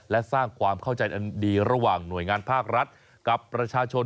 และสร้างความเข้าใจอันดีระหว่างหน่วยงานภาครัฐกับประชาชน